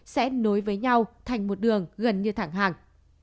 sẽ nối với nhau thành một đường gần như thẳng hàng